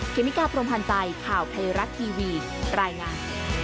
เมกาพรมพันธ์ใจข่าวไทยรัฐทีวีรายงาน